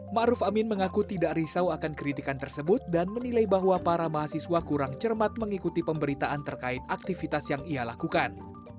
⁇ ruf amin mengaku tidak risau akan kritikan tersebut dan menilai bahwa para mahasiswa kurang cermat mengikuti pemberitaan terkait aktivitas yang ia lakukan